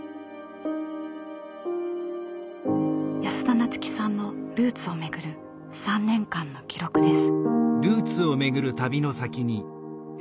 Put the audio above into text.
安田菜津紀さんのルーツをめぐる３年間の記録です。